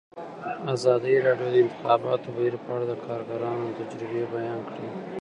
ازادي راډیو د د انتخاباتو بهیر په اړه د کارګرانو تجربې بیان کړي.